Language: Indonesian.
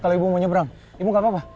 kalau ibu mau nyebrang ibu gak apa apa